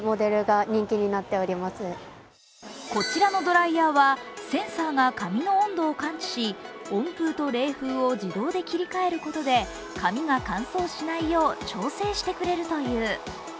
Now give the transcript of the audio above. こちらのドライヤーはセンサーが髪の温度を感知し温風と冷風を自動で切り替えることで髪が乾燥しないよう調整してくれるという。